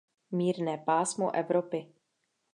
Mírné pásmo Evropy.